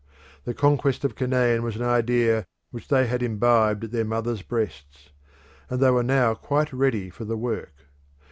The conquest of Canaan was an idea which they had imbibed at their mothers' breasts, and they were now quite ready for the work.